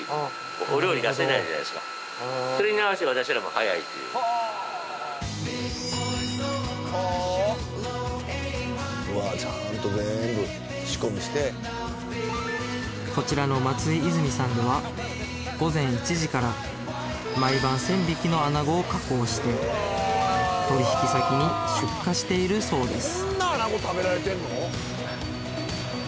はいこちらの松井泉さんでは午前１時から毎晩１０００匹のあなごを確保して取引先に出荷しているそうです